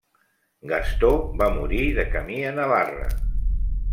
Gastó va morir de camí a Navarra.